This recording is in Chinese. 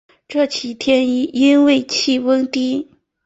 这几天因为气温低